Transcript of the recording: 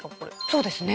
そうですね。